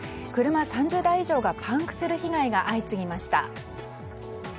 車３０台以上がパンクする被害が相次ぎました。